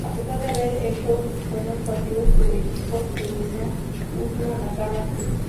A pesar de haber hecho buenos partidos, su equipo terminó último en la tabla.